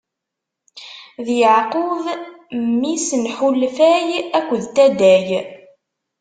D Yeɛqub, mmi-s n Ḥalfay akked Taday.